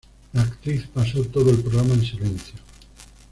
La actriz pasó todo el programa en silencio.